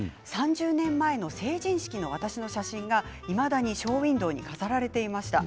３０年前の成人式の私の写真がいまだにショーウィンドーに飾られていました。